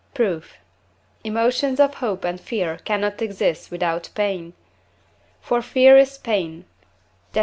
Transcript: Proof. Emotions of hope and fear cannot exist without pain. For fear is pain (Def.